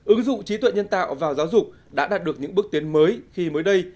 ứng dụng trí tuệ nhân tạo vào giáo dục đã đạt được những bước tiến mới khi mới đây